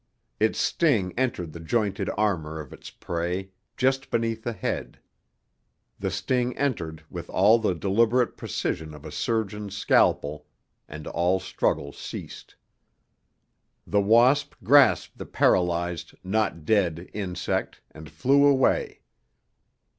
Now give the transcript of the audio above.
Its sting entered the jointed armor of its prey, just beneath the head. The sting entered with all the deliberate precision of a surgeon's scalpel, and all struggle ceased. The wasp grasped the paralyzed, not dead, insect and flew away.